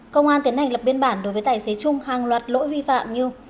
công an tiến hành lập biên bản đối với tài xế trung hàng loạt lỗi vi phạm như